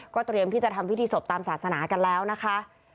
เตรียมที่จะทำพิธีศพตามศาสนากันแล้วนะคะ